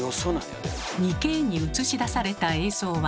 ２Ｋに映し出された映像は。